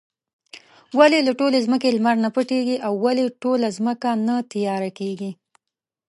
ولې له ټولې ځمکې لمر نۀ پټيږي؟ او ولې ټوله ځمکه نه تياره کيږي؟